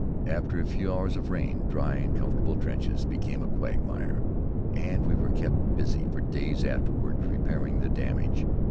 After a few hours of rain, dry and comfortable trenches became a quagmire, and we were kept busy for days afterward repairing the damage.